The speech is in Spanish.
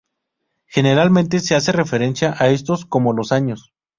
Generalmente se hace referencia a estos como "los años...".